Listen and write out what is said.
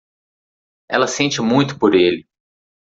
Ela sente muito por ele.